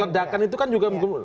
ledakan itu kan juga